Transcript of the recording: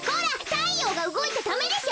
たいようがうごいちゃダメでしょ！